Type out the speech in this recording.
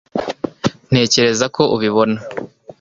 Ntekereza ko ubibona